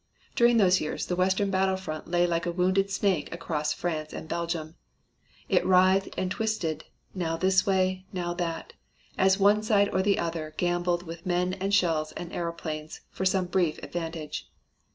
During those years the western battle front lay like a wounded snake across France and Belgium. It writhed and twisted, now this way, now that, as one side or the other gambled with men and shells and airplanes for some brief advantage.